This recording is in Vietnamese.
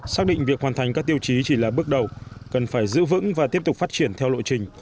xác định việc hoàn thành các tiêu chí chỉ là bước đầu cần phải giữ vững và tiếp tục phát triển theo lộ trình